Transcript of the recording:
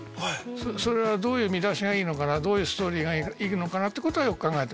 それはどういう見出しがいいのかなどういうストーリーがいいのかなってことはよく考えてます。